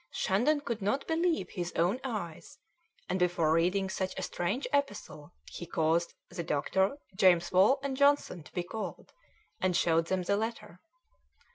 Shandon could not believe his own eyes, and before reading such a strange epistle he caused the doctor, James Wall and Johnson to be called, and showed them the letter.